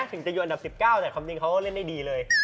ถึงจะอยู่อันดับ๑๙แต่ความจริงเขาก็เล่นได้ดีเลย